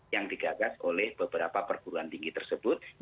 yang digagas oleh beberapa perguruan tinggi tersebut